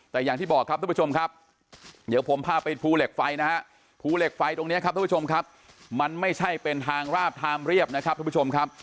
แต่อย่างที่บอกครับทุกผู้ชมครับเดี๋ยวผมพาไปภูเหล็กไฟนะฮะภูเหล็กไฟตรงนี้ครับทุกผู้ชมครับมันไม่ใช่เป็นทางราบทางเรียบนะครับทุกผู้ชมครับ